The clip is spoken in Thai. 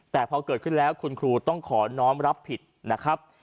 แต่พอเกิดขึ้นแล้วคุณครูต้องขอน้องรับผิดนะครับ